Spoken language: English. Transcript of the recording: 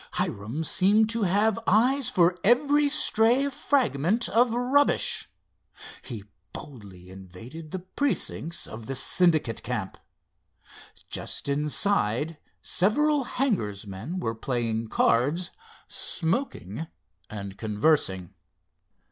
Hiram seemed to have eyes for every stray fragment of rubbish. He boldly invaded the precincts of the Syndicate camp. Just inside several hangar's men were playing cards, smoking and conversing.